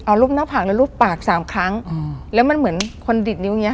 เอารูปหน้าผากแล้วรูปปากสามครั้งอืมแล้วมันเหมือนคนดิดนิ้วอย่างเงี้